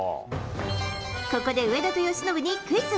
ここで、上田と由伸にクイズ。